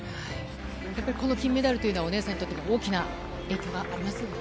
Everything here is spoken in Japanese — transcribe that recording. やっぱりこの金メダルというのは、お姉さんにとっても大きな影響がありますよね。